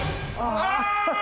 あっ！